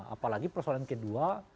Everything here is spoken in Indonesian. apalagi persoalan kedua